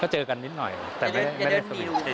เจอกันนิดหน่อยแต่ไม่ได้สนิท